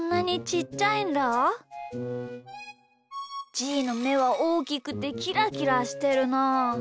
じーのめはおおきくてキラキラしてるなあ。